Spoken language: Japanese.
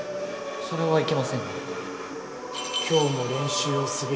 それはいけません。